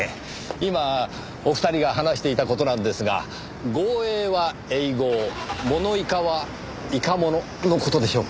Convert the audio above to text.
今お二人が話していた事なんですがゴウエーはエーゴウモノイカはイカモノの事でしょうか？